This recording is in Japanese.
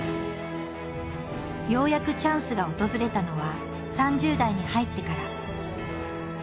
ようやくチャンスが訪れたのは３０代に入ってから。